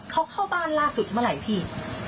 เขาเข้าบ้านล่าสุดเมื่อไหร่พี่